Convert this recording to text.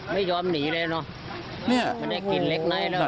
ไม่ยอมหนีเลยนะ